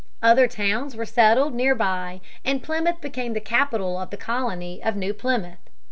Other towns were settled near by, and Plymouth became the capital of the colony of New Plymouth.